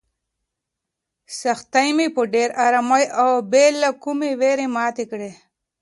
سختۍ مې په ډېرې ارامۍ او بې له کومې وېرې ماتې کړې.